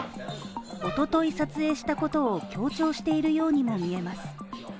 おととい撮影したことを強調しているように見えます。